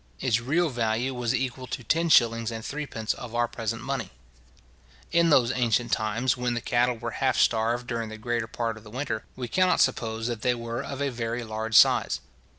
Its real value was equal to ten shillings and threepence of our present money. In those ancient times, when the cattle were half starved during the greater part of the winter, we cannot suppose that they were of a very large size.